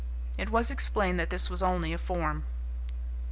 It was explained that this was only a form.